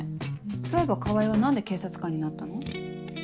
そういえば川合は何で警察官になったの？